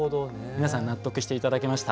皆さん納得して頂けました？